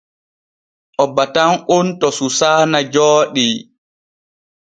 O batan on to Susaana Jooɗi.